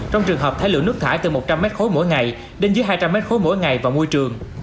trong trường hợp thải lượng nước thải từ một trăm linh m khối mỗi ngày đến dưới hai trăm linh m ba mỗi ngày vào môi trường